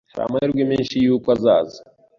Hari amahirwe menshi yuko azaza.